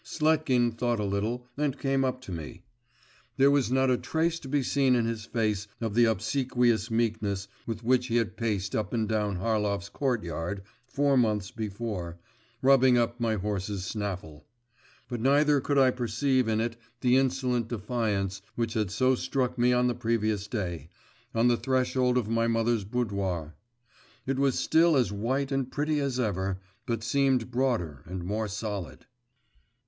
Sletkin thought a little, and came up to me. There was not a trace to be seen in his face of the obsequious meekness, with which he had paced up and down Harlov's courtyard, four months before, rubbing up my horse's snaffle. But neither could I perceive in it the insolent defiance, which had so struck me on the previous day, on the threshold of my mother's boudoir. It was still as white and pretty as ever, but seemed broader and more solid.